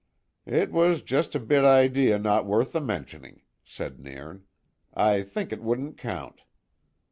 "It was just a bit idea no worth the mentioning," said Nairn. "I think it wouldna count."